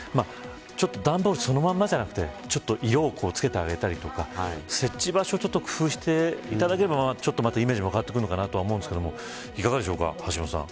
ちょっと、段ボールそのままじゃなくて色を付けてあげたりとか設置場所を工夫していただければまたイメージも変わってくるのかなと思うんですけどいかがでしょうか、橋下さん。